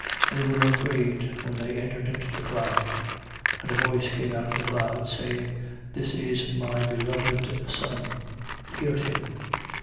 And they were afraid when they entered into the cloud. 9:35. And a voice came out of the cloud; saying: This is my beloved son. Hear him.